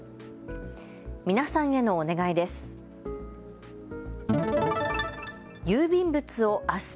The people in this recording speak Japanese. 皆さんへのお願いです。